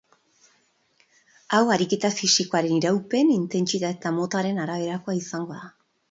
Hau ariketa fisikoaren iraupen, intentsitate eta motaren araberakoa izango da.